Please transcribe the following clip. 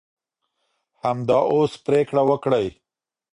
همدا اوس پرېکړه وکړئ.